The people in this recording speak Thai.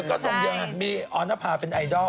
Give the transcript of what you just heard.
ก็ส่วนเยอะนะมีออนภาษ์เป็นไอดอล